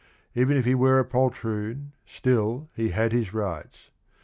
Even if he were a poltroon, still he had his rights.